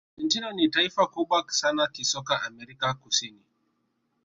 argentina ni taifa kubwa sana kisoka amerika kusini